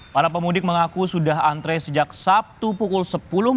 para pemudik mengaku sudah antre sejak sabtu pukul sepuluh malam dan belum bisa menyebrang pada minggu pagi